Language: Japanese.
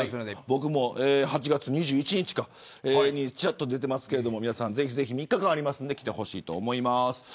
僕も、８月２１日にちらっと出ていますので皆さん、ぜひ３日間あるので来てほしいと思います。